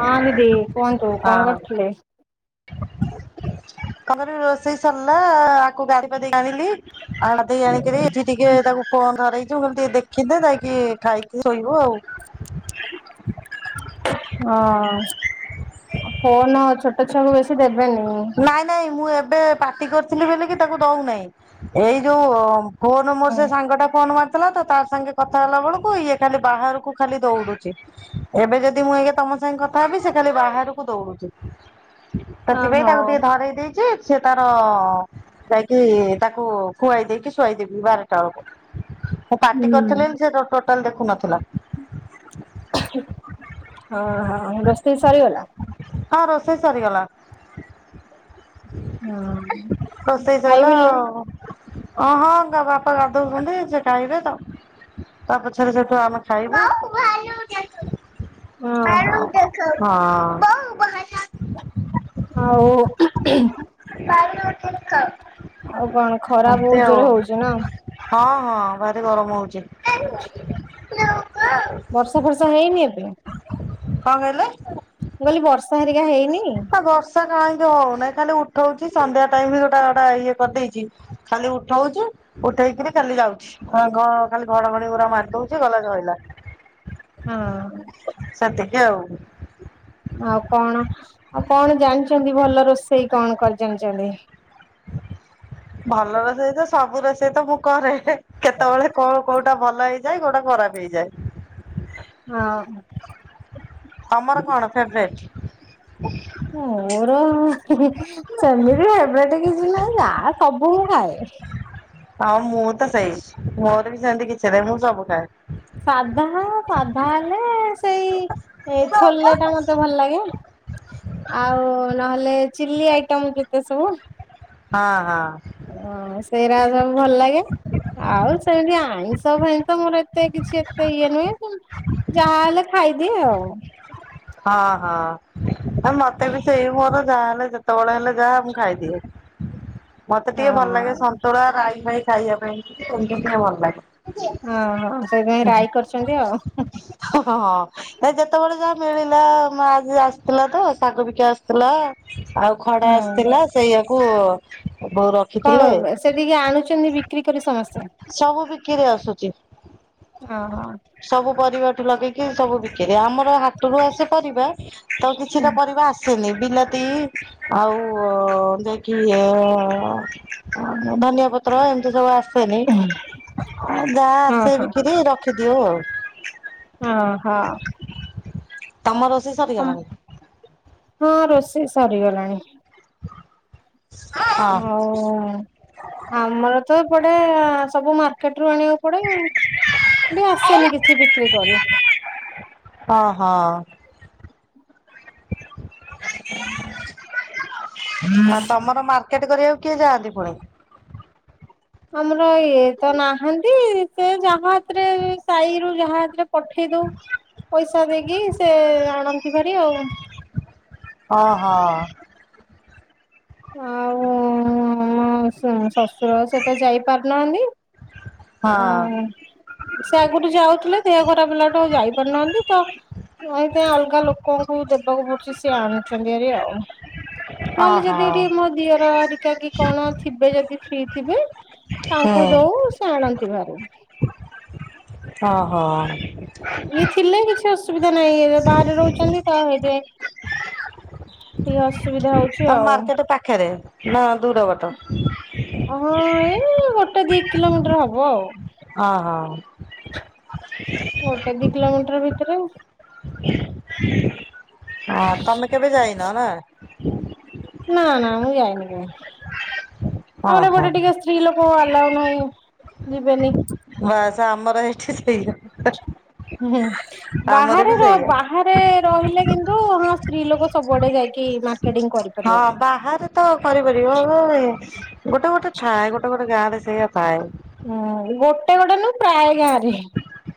ହଁ ଦିଦି କୁହନ୍ତୁ କଣ ହଁ କରୁଥିଲେ। [inaudible] ରୋଷେଇ ସରିଲା ଆକୁ ଗାଧେଇ ପାଧେଇକି ଆଣିଲି। ଆଉ ଗାଧେଇ ଆଣିକିରି ଏଠି ଟିକେ ତାକୁ ଫୋନ ଧରେଇ ଚି ମୁଁ କଲି ଦେଖିଦେ ଯାଇକି ଖାଇକି ଶୋଇବୁ ଆଉ। ହଁ ଅ ଫୋନ ଛୋଟ ଛୁଆକୁ ବେଶୀ ଦେବେନି। ନାଇଁ ନାଇଁ ମୁଁ ଏବେ ପାଟି କରିଥିଲି ବୋଲିକି ତାକୁ ଦଉନାହିଁ ଏଇ ଯୋଉ ଫୋନ ମୋର ସେ ସାଙ୍ଗଟା ଫୋନ ମା ଥିଲା ତ ତାର ସାଙ୍ଗେ କଥା ହେଲାବେଳକୁ ଇଏ ଖାଲି ବାହାରକୁ ଖାଲି ଦୌଡୁଛି। ଏବେ ଯଦି ମୁଁ ଏଇକା ତମ ସାଙ୍ଗେ କଥା ହେବି ସେ ଖାଲି ବାହାରକୁ ଦଉଡୁଛି। ହଁ ସେଥିପାଇଁ ତାକୁ ଟିକେ ହୁଁ ଧରେଇ ଦେଇଛି। ସେ ତାର ଯାଇକି ତାକୁ ଖୁଆଇ ଦେଇକି ଶୁଆଇ ଦେବି ବାରଟା ବେଳକୁ। [inaudible] ସେ ପାଟି କରିଥିଲି ସେ ଟୋ ଟୋଟାଲ ଦେଖୁନଥିଲା। ହଁ ହଁ ରୋଷଇ ସରିଗଲା। ହଁ ରୋଷେଇ ସରିଗଲା। ରୋଷେଇ ସଇଲା ଖାଇବେଲ ଆଉ। ଓ ହଁ ତା ବାପା ଗାଧଉଛନ୍ତି ସେ ଖାଇବେ ତ ତା ପଛରେ ସେଇଠୁ ଆମେ ଖାଇବୁ। ଓହୋ। ହଁ। ଆଉ [inaudible] ଆଉ କଣ ଖରା ବହୁତ ଜୋରେ ହଉଛି ନା। ହଁ ହଁ ଭାରି ଗରମ ହଉଛି। [inaudible] ବର୍ଷା ଫର୍ଷା ହେଇନି ଏବେ। କଣ କହିଲେ। ମୁଁ କହିଲି ବର୍ଷା ହେରିକା ହେଇନି। ନା ବର୍ଷା କାହିଁକି ହଉନାହିଁ ଖାଲି ଉଠଉଛି ସନ୍ଧ୍ୟା ଟାଇମ ବି ଗୋଟା ଗୋଟା ଇଏ କରିଦେଇଛି। ଖାଲି ଉଠଉଚୁ ଉଠେଇକିରି ଖାଲି ଯାଉଛି। ହଁ ଘ ଖାଲି ଘଡଘଡି ଉରା ମାରି ଦଉଛି ଗଲା ସଇଲା। ହଁ। ସେତିକି ଆଉ। ଆଉ କଣ ଆଉ କଣ ଜାଣିଛନ୍ତି ଭଲ ରୋଷେଇ କଣ କରି ଜାଣିଛନ୍ତି। ଭଲ ରୋଷେଇ ତ ସବୁ ରୋଷେଇ ତ ମୁଁ କରେ। କେତେବେଳେ କଣ କୋଉଟା ଭଲ ହେଇଯାଏ କୋଉଟା ଖରାପ ହେଇଯାଏ। ହଁ। ତମର କଣ ଫେବରେଟ୍। ମୋର ସେମିତି ଏବେ ଟି କିଛି ନାହିଁ ଯା ସବୁ ମୁଁ ଖାଏ। ହଁ ମୁଁ ତ ସେଇ ମୋର ବି ସେମିତି କିଛି ନାଇ ମୁଁ ସବୁ ଖାଏ। ସାଧା ସାଧା ହେଲେ ସେଇ ଏ ଛୋଲେ ଟା ମତ ତେ ଭଲ ଲାଗେ ଆଉ ନହେଲେ ଚିଲି ଆଇଟମ କେତେ ସବୁ। ହଁ ହଁ। ହ ସେଇରା ସବୁ ଭଲ ଲାଗେ ଆଉ ସେମିତି ଆଇଁଷ ଫାଇଁଷ ମୋର ଏ ଏତେ କିଛି ଏତେ ଇଏ ନୁହେଁ ଯାହାଲେ ଖାଇଦିଏ ଆଉ। ହଁ ହଁ। ଆ ମତେ ବି ସେଇ ମୋର ଯାହା ହେଲେ ଯେତେବେଳେ ହେଲେ ଯାହା ମୁ ଖାଇଦିଏ। ମତେ ଟିକେ ଭଲ୍ ଲାଗେ ହଁ। ସନ୍ତୁଳା ରାଇ ଫାଇ ଖାଇବା ପାଇଁ, ସେମ୍ତି ଟିକେ ଭଲ୍ ଲାଗେ। ଓହୋ ସେଇଥିପାଇଁ ରାଇ କରିଚନ୍ତି ଆଉ। ଓ ହଁ [unintelligible] ଯେତବଳେ ଯାହା ମିଳିଲା ଆଜି ଆସିଥିଲା ତ ଶାଗ ବିକା ଆସିଥିଲା, ଆଉ ଖଡା ହୁଁ। ଆସିଥିଲା। ସେଇଆକୁ [unintelligible] କଣ ସେଟିକି ଆଣୁଚନ୍ତି ବିକ୍ରି କରି ସମସ୍ତେ। ସବୁ ବିକିରି ଆସୁଛି [unintelligible] ସବୁ ପରିବାଠୁ ଲଗେଇକି ସବୁ ବିକିରି, ଆମର ହାଟୁରୁ ଆସେ ପରିବା। ତ କିଛି ଟା ପରିବା ଆସ୍ ସିନି ବିଲାତି ଆଉ ଯେ କି ଅ ଧନିଆ ପତ୍ର ଏମ୍ତି ସବୁ ଆସ୍ ସେନି, ଯାହା ଆସେ ଓହୋ। ବିକିରି ରଖିଦିଓଉ ଆଉ। ଓହ। ତମ ରୋଷେଇ ସରିଗଲାଣି? ହଁ ରୋଷେଇ ସରିଗଲାଣି। ହଁ। ଆଉ ଆମର ତ ଏପଟେ ସବୁ ମାର୍କେଟ ରୁ ଆଣିବାକୁ ପଡେ ଆଉ। [unintelligible] ଆସେନି କିଛି ବିକ୍ରି କରି। ଓହ। ଆଉ ତମର ମାର୍କେଟ କରିବାକୁ କିଏ ଯାଆନ୍ତି ପୁଣି? ଆମର ଇଏ ତ ନାହାନ୍ତି, ସେ ଯାହା ହାତେରେ ସାହିରୁ ଯାହା ହାତେରେ ପଠେଇ ଦଉ ପଇସା ଦେଇକି, ସେ ଆଣନ୍ତି ଭାରି ଆଉ। ଓହୋ। ଆଉ ଶଶୁର, ସେ ତ ଯାଇପାରୁନାହାନ୍ତି। ହଁ ଉଁ ସେ ଆଗୁରୁ ଯାଉଥିଲେ, ଦେହ ଖରାପ୍ ହେଲାଠୁ ଯାଇପାରୁନାହାନ୍ତି ତ ଆଜ୍ଞା ଅଲଗା ଲୋକଙ୍କୁ ଦେବାକୁ ପଡୁଚି ସିଏ ଆଣୁଚନ୍ତି ହାରି ଆଉ। ନହେଲେ ଓହୋ ଯଦି ଏଠି ମୋ ଦିଅର ହେରିକା କି କଣ ଥିବେ ଯଦି ଫ୍ରି ଥିବେ ହୁଁ ତାଙ୍କୁ ଦଉ ସେ ଆଣନ୍ତି ଭାରି। ଓହୋ। ଇଏ ଥିଲେ କିଛି ଅସୁବିଧା ନାହିଁ, ଏ ବାହାରେ ରହୁଛନ୍ତି ତ ହେଇଥିପାଇଁ ଟିକେ ଅସୁବିଧା ଆଉ। ହଉଛି ତମ ମାର୍କେଟେ ପାଖେରେ ନା ଦୂର ବାଟ? ହଁ ଏଇ ଗୋଟେ ଦି କିଲୋମିଟର୍ ହବ ଆଉ। ଅହ। ଗୋଟେ ଦି କିଲୋମିଟର୍ ଭିତେରେ ଆଉ। ଆ ତମେ କେବେ ଯାଇନ ନା? ନା-ନା ମୁଁ ଯାଇନି କେବେ, ଆମର ଓହୋ ଏପଟେ ଟିକେ ସ୍ତ୍ରୀ ଲୋକ ଆଲାଉ ନାହିଁ ଯିବେନି। ବାସ୍ ଆମର ଏଠି ସେଇଆ। ଉହୁଁ ଆମର ବାହାରେ ବି ର ସେଇଆ। ବାହା ରେ ରହିଲେ କିନ୍ତୁ ହଁ ସ୍ତ୍ରୀ ଲୋକ ସବୁଆଡେ ଯାଇକି ମାର୍କେଟିଂ କରିବେ। ହଁ ବାହାରେ ତ କରିପାରିବେ [unintelligible] ଗୋଟେ-ଗୋଟେ ଥାଏ ଗୋଟେ-ଗୋଟେ ଗାଁ ରେ ସେଇଆ ଥାଏ। ହୁଁ ଗୋଟେ-ଗୋଟେ ନୁହଁ, ପ୍ରାୟ ଗାଁରେ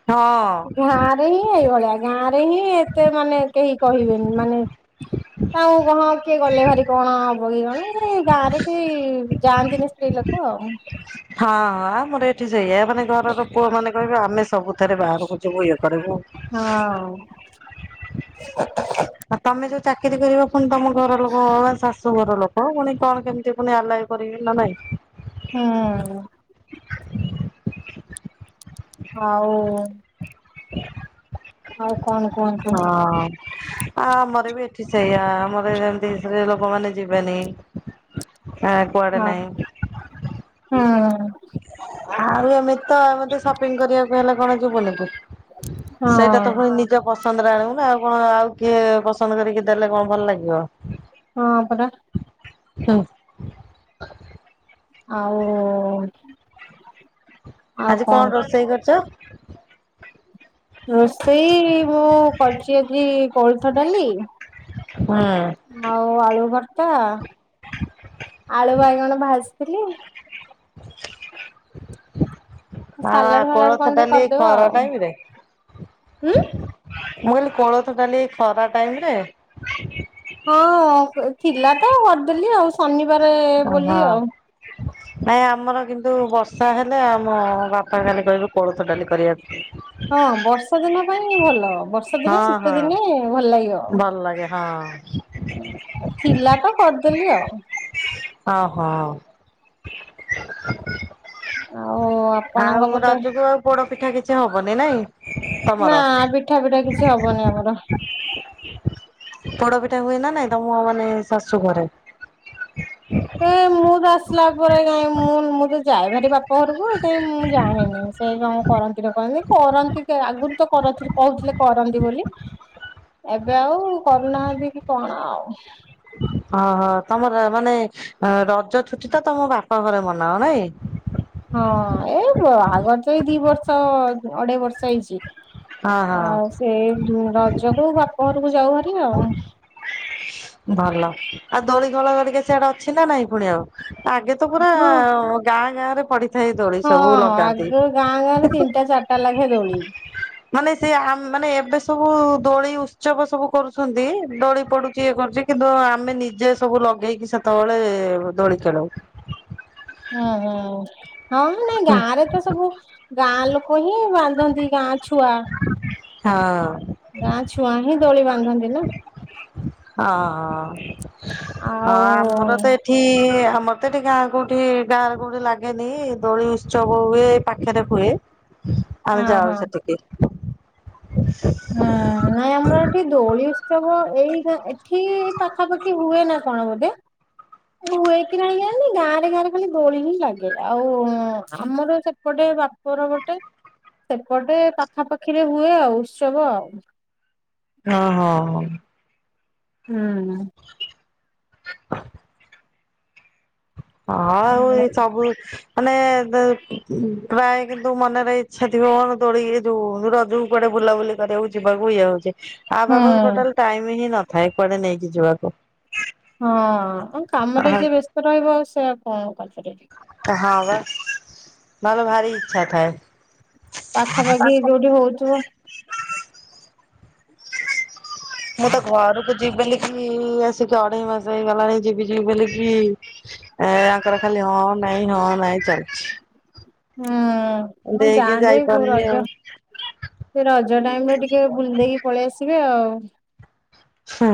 ହଁ ଗାଁରେ ହିଁ ଏଇଭଳିଆ। ଗାଁ ରେ ହିଁ ଏତେ ମାନେ କେହି କହିବେନି, ମାନେ [unintelligible] କିଏ ଗଲେ ଭାରି କଣ ହବ କି କଣ, ଏ ଗାଁରେ ବି ଯାଆନ୍ତିନି ସ୍ତ୍ରୀ ଲୋ କ ଆଉ। ହଁଁ ମୋର ଏଠି ସେଇଆ, ମାନେ ଘରର ପୁଅମାନେ କହିବେ ଆମେ ସବୁଥେରେ ବାହାରକୁ ଯିବୁ ଇଏ କରିବୁ। ହଁ। ହ ଆଉ ତମେ ଯୋଉ ଚାକିରି କରିବ ପୁଣି ତମ ଘରଲୋକ ବା ଶାଶୁଘର ଲୋ ହଁ ପୁଣି କଣ କେମିତି ପୁଣି ଆଲାଓ କରିବେ ନା ନାଇଁ? ହୁଁଉଁ। ଆଉ ଆଉ କଣ କୁହନ୍ ହଁ। ଆ ଆମର ବି ଏଠି ସେଇଆ ଆମର ବି ସେମତି ସ୍ତ୍ରୀଲୋକମାନେ ଯିବେନି। ନା କୁଆଡେ ନାହିଁ। ହଁ। ଆଉ ଏମିତି ତ ଏମିତି ସପିଙ୍ଗ କରିବାକୁ ହେଲେ କଣ ଯିବୁନି କି ସେଇଟା ତ ହଁ ପୁଣି ନି ଜ ପସନ୍ଦରେ ଆଣିବୁ ନା ଆଉ କଣ ଆଉ କିଏ ପସନ୍ଦ କରିକି ଦେଲେ କଣ ଭଲ ଲାଗିବ। ହଁ ପରା। ହୁଁ। ଆଉ ଆଜି କଣ ରୋଷେଇ କରିଚ? ରୋଷେଇ ମୁଁ କରୁଚି ଆଜି କୋଳଥ ଡାଲି ହୁଁ ଆଉ ଆଳୁ ଭର୍ତା, ଆଳୁ ବାଇଗଣ ଭାଜଥିଲି। ଆଉ ଆ ସାଲାଡ ଫାଲାଡ କଣ କୋଳଥ ଟିକେ ଡାଲି ଏଇ କରିଦବା ଖରା ଆଉ ଟାଇମରେ? ମୁଁ ହୁଁ। କହିଲି କୋଳଥ ଡାଲି ଏଇ ଖରା ଟାଇମରେ? ହଁ ଆ ଥିଲା ତ କରଦେଲି ଆଉ ଶନିବାରେ ବୋଲି ଆଉ। ନାଇ ଆମର କିନ୍ତୁ ବର୍ଷା ହେଲେ ଆମ ବାପା ଖାଲି କହିବେ କୋଳଥ ଡାଲି କରିବାକୁ। ହଁ ବର୍ଷା ଦିନ ପାଇଁ ଭଲ ବର୍ଷା ହଁ ଦିନେ ଶୀତ ଦିନେ ଭଲ ଲାଗିବ। ଇଏ ହଁ। ଆଉ ଥିଲା ତ କରିଦେଲି ଆଉ। ଅହଁ। ଆଉ ଆପଣଙ୍କ ଆଉ ପଟେ ରାଜକୁ ଆଉ ପୋଡ ପିଠା କିଛି ହବନି ନାଇଁ? ନା ତମର ପିଠା ଫିଠା କିଛି ହବନି ଆମର। ପୋଡ ପିଠା ହୁଏ ନା ନାଇଁ ତମ ମାନେ ଶାଶୁଘରେ? ଏ ମୁଁ ତ ଆସିଲା ପରେ କାଇଁ ମୁଁ ମୁଁ ତ ଯାଏ ଭାରି ବା ପ ଘରକୁ କାଇଁ ମୁଁ ଜାଣିନି ଏଇ କଣ କରନ୍ତି ନ କରନ୍ତି କରନ୍ତି କ ଆଗରୁ ତ କରଥିଲେ କୋହୁଥିଲେ କରନ୍ତି ବୋଲି। ଏବେ ଆଉ କରୁନାହାନ୍ତି କି କଣ ଆଉ। ଓହୋ ତମର ମାନେ ଅ ରଜ ଛୁଟିଟା ତମ ବାପା ଘରେ ମନାଅ ନାଇଁ। ହଁ ଏଇ ବାହାଘର ତ ଏଇ ଦିଇ ବର୍ଷ ଅଢେଇ ବର୍ଷ ହେଇଚି ହଁ ହଁ। ଆଉ ସେଇ ରଜକୁ ବାପଘରକୁ ଯାଉ ହାର ଆଉ। ଭଲ ଆଉ ଦୋଳି ଖେଳ ହରିକା ସିଆଡେ ଅଛି ନା ନାଇଁ ପୁଣି ଆଉ। ଆଗେ ତ ପୁରା ହଁ ଗାଁ ଗାଁରେ ପଡିଥାଏ ଦୋଳି ହଁ ସବୁ ଲଗାନ୍ତି। ଆଗ ଗାଁ ଗାଁରେ ତିନଟା ଚାରଟା ଲାଖେ ଦୋଳିି। ମାନେ ସେଇ ଆମ୍ ମାନେ ଏବେ ସବୁ ଦୋଳି ଉତ୍ସବ ସବୁ କରୁଛନ୍ତି ଦୋଳି ପଡୁଚି ଇଏ କରୁଚି କିନ୍ତୁ ଆମେ ନିଜେ ସବୁ ଲଗେଇକି ସେତେବେଳେ ଦୋଳି ଖେଳୁ। ହୁଁ ହୁଁ ହଁ ନାଇଁ ଗାଁରେ ତ ସବୁ ଗାଁ ଲୋକ ହିଁ ବାନ୍ଧନ୍ତି ଗାଁ ଛୁଆ। ହଁ। ଗାଁ ଛୁଆ ହିଁ ଦୋଳି ବାନ୍ଧନ୍ତି ନା। ହଁ ହଁ ଆଉ ଆମର ତ ଏ ଏଠି ଆମର ତ ଏଠି ଗାଁ କୋଉଠି ଗାଁରେ କୋଉଠି ଲାଗେନି ଦୋଳି ଉତ୍ସବ ହୁଏ ପାଖରେ ହୁଏ। ଆମେ ହଁ ଯାଉ ହଁ ସେଠିକି। ନାଇ ଆମର ଏଠି ଦୋଳି ଉତ୍ସବ ଏଇନା ଏଠି ପାଖାପାଖି ହୁଏ ନା କଣ ବୋଧେ? ହୁଏ କିି ନାଇଁ ଜାଣିନି ଗାଁ ରେ ଗାଁରେ ଖାଲି ଦୋଳି ହିଁ ଲାଗେ ଆଉ ଆମର ସେ ସେପଟେ ବାପର ପଟେ ସେପଟେ ପାଖାପାଖିରେ ହୁଏ ଆଉ ଉତ୍ସବ ଆଉ। ହଁ ହଁ ହୋଉ। ହୁଁ। ହଁ ଆଉ ଏ ସବୁ ମାନେ ପ୍ରାୟ କିନ୍ତୁ ମନରେ ଇଚ୍ଛା ଥିବ କଣ ଦୋଳିକି ଯୋଉ ରଜକୁ କୁଆଡେ ବୁଲାବୁଲି କୁ ଯିବାକୁ ଇଏ ହଉଛି ଆଉ ହୁଁ ବାବା ଟୋଟାଲ ଟାଇମ ହିଁ ନଥାଏ କୁଆଡେ ନେଇକି ଯିବାକୁ। ହଁ କାମରେ ହଁ ଯିଏ ବ୍ୟସ୍ତ ରହିବ ଆଉ ସେ କଣ କରିପାରିବ। ହଁ ବା ନହେଲେ ଭାରି ଇଚ୍ଛା ଥାଏ। ପାଖାପାଖି ଯୋଉଠି ହଉଥିବ। ମୁଁ ତ ଘରକୁ ଯିବିଲି କି ଆସିକି ଅଡେଇମାସ ହେଇଗଲାଣି ଯିବି ଯିବି ବୋଲି କି ଏ ତାଙ୍କର ଖାଲି ହଁ ନାଇଁ ହଁ ନାଇଁ ଚାଲିଛି। ହୁଁ ଏମିତି ମୁଁ ହେଇକି ଯାଆନ୍ତି ଯୋ ଯାଇପାରୁନି ଆଉ। ରଜ ସେ ରଜ ଟାଇମ ରେ ଟିକେ ବୁଲି ଦେଇକି ପଳେଇ ଆସିବେ ଆଉ। ହୁଁ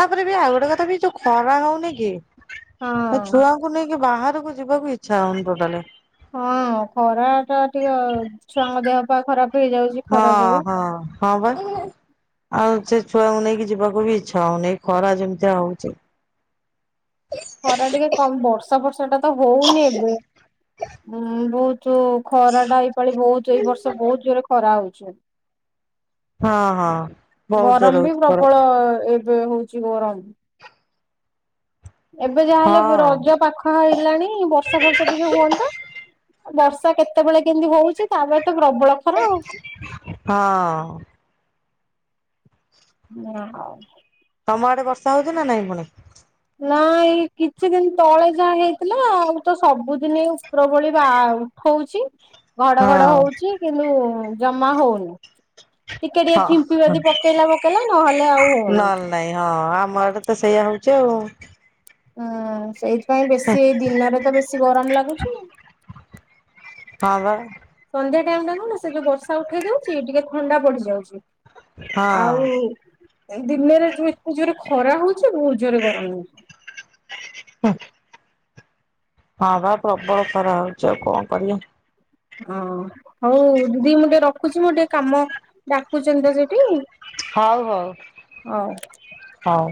ତାପରେ ବି ଆଉ ଗୋଟେ କଥା ବି ଯୋଉ ଖରା ହଉନି କି? ଏ ହଁ। ଛୁଆଙ୍କୁ ନେଇକି ବାହାରକୁ ଯିବାକୁ ଇଚ୍ଛା ହଉନି ତୋଟାଲି। ହଁ ଖରା ଟା ଟିକେ ଛୁଆଙ୍କ ଦେହ ପା ଖରାପ ହେଇଯାଉଛି। ହଁ ଖରା ଯୋଗୁ। ହଁ। ହଁ ପା ଆଉ ସେ ଛୁଆଙ୍କୁ ନେଇକି ଯିବାକୁ ବି ଇଚ୍ଛା ହଉନି ଖରା ଯେମିତିଆ ହଉଛି। ଖରା ଟିକେ କମ ବର୍ଷା ବର୍ଷା ଟା ତ ହଉନି ଏବେ ଉ ଭୋଉତୁ ଖରା ଟା ଏଇପାଳି ବହୁତ ଏଇ ବର୍ଷ ବହୁତ ଜୋରେ ଖରା ହଉଛି। ହଁ ହଁ ବହୁତ ଜୋର ଗରମ ବି ହଉଛି ଖରା ପ୍ରବଳ ଏବେ ହଉଛି ଗରମ। ଏବେ ଯାହାହେଲେ ହଁ ରଜ ପାଖ ହେଇଲାଣି ବର୍ଷା ବର୍ଷା ଟିକେ ହୁଅନ୍ତା। ବର୍ଷା କେତେବେଳେ କେମିତି ହଉଛି ତା ବଳେ ତ ପ୍ରବଳ ଖରା ଆଉ। ହଁ। [unintelligible] ତମ ଆଡେ ବର୍ଷା ହଉଛି ନା ନାଇଁ ପୁଣି? ନା ଏଇ କିଛି ଦିନ ତଳେ ଯାହା ହେଇଥିଲା ଆଉ ତ ସବୁଦିନ ପ୍ରବଳ ବା ଉଠଉଛି। ଘଡ ଘଡ ହଁ ହଉଛି କିନ୍ତୁ ଜମା ହଉନି। ଟିକେ ଟିକେ ହଁ ଫିମ୍ପିବାଦି ପକେଇଲା ପକେଇଲା ନହେଲେ ଆଉ ହଉନି। ନହେଲେ ନାଇଁ ହଁ ଆମର ଆଡେ ତ ସେଇଆ ହଉଛି ଆଉ। ହୁଁ ସେଇଥିପାଇଁ ବେଶୀ ଦିନରେ ତ ବେଶୀ ଗରମ ଲାଗୁଛି। ହଁ ବା। ସନ୍ଧ୍ୟା ଟାଇମ ଟା କଣ ନା ସେ ଯୋଉ ବର୍ଷା ଉଠେଇ ଦଉଛି ଟିକେ ଥଣ୍ଡା ପଡିଯାଉଛି ହଁ ଆଉ ଦିନରେ ଯୋଉ ଏତେ ଜୋରେ ଖରା ହଉଛି ଭୋଉତୁ ଗରମ ହେଉଛି। ହୁଁ। ହଁ ବା ପ୍ରବଳ ଖରା ହଉଛି ଆଉ କଣ କରିବା? ହଁ ହଉ ଦିଦି ମୁଁ ଟିକେ ରଖୁଛି ମୁଁ ଟିକେ କାମ ଡାକୁଛନ୍ତି ତ ସେଠି ହଉ ହଉ ହଉ। ହଉ।